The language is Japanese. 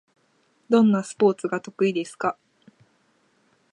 どんなスポーツが得意ですか？